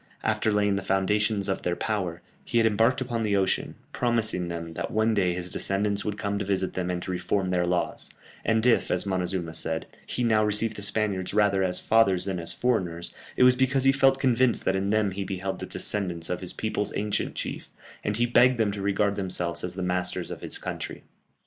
After laying the foundations of their power, he had embarked upon the ocean, promising them that one day his descendants would come to visit them and to reform their laws and if, as Montezuma said, he now received the Spaniards rather as fathers than as foreigners, it was because he felt convinced that in them he beheld the descendants of his people's ancient chief, and he begged them to regard themselves as the masters of his country.